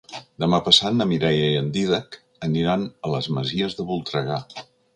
Demà passat na Mireia i en Dídac aniran a les Masies de Voltregà.